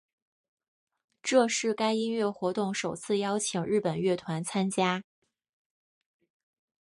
这是该音乐活动首次邀请日本乐团参加。